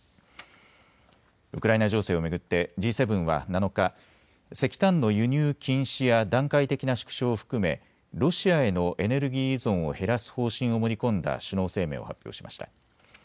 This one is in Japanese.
ウクライナ情勢を巡ってＧ７は７日石炭の輸入禁止や段階的な縮小を含めロシアへのエネルギー依存を減らす方針を盛り込んだ首脳声明を発表しました。